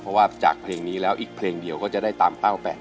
เพราะว่าจากเพลงนี้แล้วอีกเพลงเดียวก็จะได้ตามเป้าไป